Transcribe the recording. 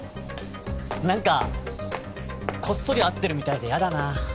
何かこっそり会ってるみたいで嫌だな